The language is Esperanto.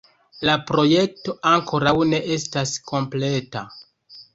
La projekto ankoraŭ ne estas kompleta.